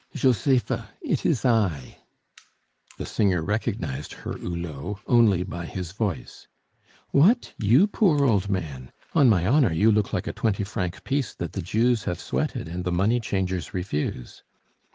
"Josepha! it is I " The singer recognized her Hulot only by his voice. "What? you, poor old man? On my honor, you look like a twenty franc piece that the Jews have sweated and the money changers refuse."